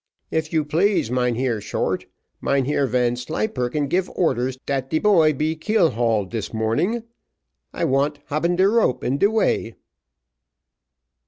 "If you please, Mynheer Short, Mynheer Vanslyperken give orders dat de boy be keel hauled dis morning: I want haben de rope and de way."